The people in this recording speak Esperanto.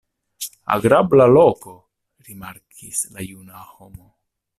Agrabla loko, rimarkis la juna homo.